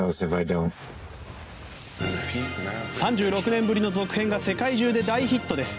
３６年ぶりの続編が世界中で大ヒットです。